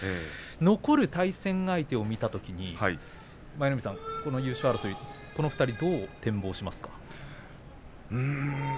残る対戦相手を見たときにこの優勝争いこの２人、どう展望しますか？